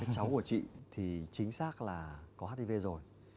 cháu của chị thì chính xác là có hiv rồi